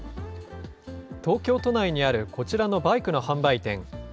東京都内にあるこちらのバイクの販売店。